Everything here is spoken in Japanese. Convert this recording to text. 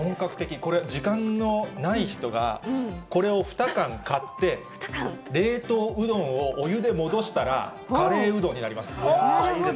これ、時間のない人が、これを２缶買って、冷凍うどんをお湯で戻したら、カレーうどんになるほど。